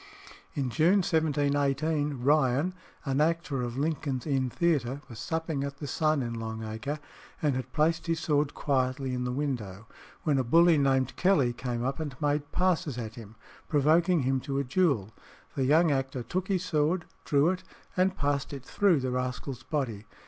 In June 1718 Ryan, an actor of Lincoln's Inn Theatre, was supping at the Sun in Long Acre, and had placed his sword quietly in the window, when a bully named Kelly came up and made passes at him, provoking him to a duel. The young actor took his sword, drew it, and passed it through the rascal's body.